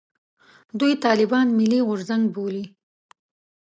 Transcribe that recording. دوی طالبان «ملي غورځنګ» بولي.